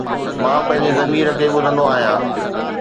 مان پنهنجي ضمير کي ٻڌندو آهيان